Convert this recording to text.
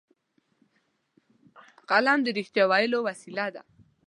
قلم د رښتیا ویلو وسیله ده